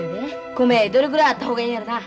米どれぐらいあった方がええんやろな？